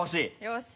よし。